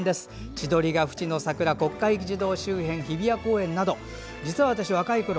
千鳥ケ淵や国会議事堂の周辺日比谷公園など、若いころ